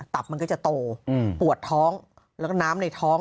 มันก็จะโตปวดท้องแล้วก็น้ำในท้อง